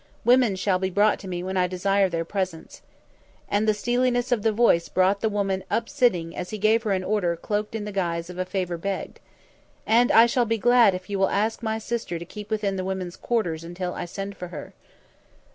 Women shall be brought to me when I desire their presence." And the steeliness of the voice brought the woman up sitting as he gave her an order cloaked in the guise of a favour begged. "And I shall be glad if you will ask my sister to keep within the women's quarters until I send for her."